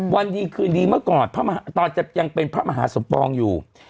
วันดีคืนดีเมื่อก่อนตอนจะยังเป็นพระมหาสมปองอยู่